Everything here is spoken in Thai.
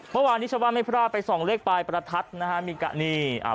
เมื่อวานนี้ชาวบ้านไม่พลาดไปส่องเลขปลายประทัดนะฮะมีการนี่อ่า